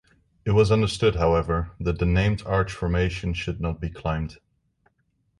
It was understood, however, that the named-arch formations should not be climbed.